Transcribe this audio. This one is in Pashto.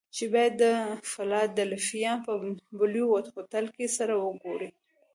چې بايد د فلادلفيا په بلوويو هوټل کې سره وګوري.